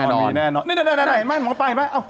เห็นไหมหมอปลาเห็นไหม